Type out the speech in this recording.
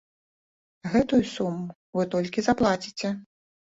Гэтую суму вы толькі заплаціце.